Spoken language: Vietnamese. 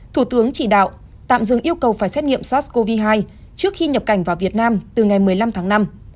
thủ tướng chỉ đạo tạm dừng yêu cầu phải xét nghiệm sars cov hai trước khi nhập cảnh vào việt nam từ ngày một mươi năm tháng năm